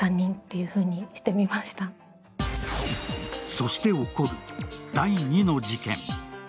そして起こる第２の事件。